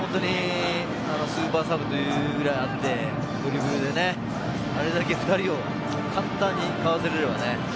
スーパーサブというだけあって、ドリブルでね、あれだけ２人を簡単にかわせる。